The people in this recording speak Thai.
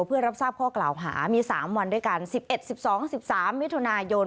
เพื่อรับทราบข้อกล่าวหามี๓วันด้วยกัน๑๑๑๒๑๓มิถุนายน